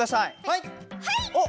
はい！